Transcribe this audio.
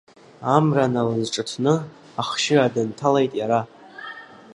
Амра налызҿыҭны ахшьыра дынҭалеит иара.